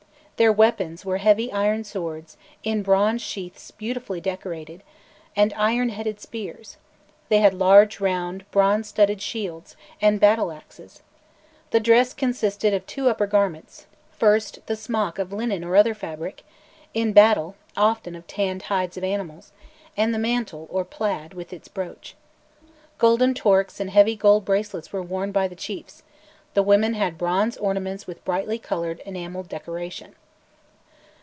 Their weapons were heavy iron swords, in bronze sheaths beautifully decorated, and iron headed spears; they had large round bronze studded shields, and battle axes. The dress consisted of two upper garments: first, the smock, of linen or other fabric in battle, often of tanned hides of animals, and the mantle, or plaid, with its brooch. Golden torques and heavy gold bracelets were worn by the chiefs; the women had bronze ornaments with brightly coloured enamelled decoration.